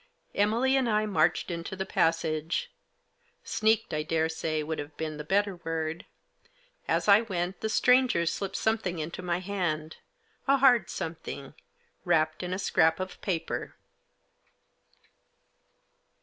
Emily and I marched into the passage — sneaked, I daresay, would have been the better word. As I went the stranger slipped something into my hand ; a hard something, wrapped in a scrap of paper.